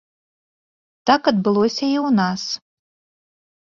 Так адбылося і ў нас.